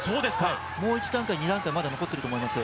もう一段階、二段階は残っていると思います。